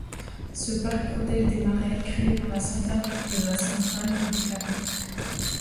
Ce parc protège des marais créés par la centrale de Carillon.